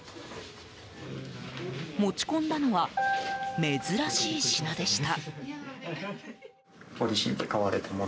持ち込んだのは珍しい品でした。